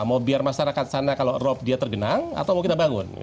mau biar masyarakat sana kalau rop dia tergenang atau mau kita bangun